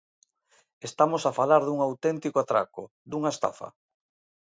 Estamos a falar dun auténtico atraco, dunha estafa.